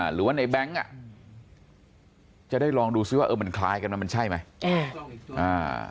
หรือว่าในแบงค์อ่ะจะได้ลองดูซิว่าเออมันคล้ายกันไหมมันใช่ไหม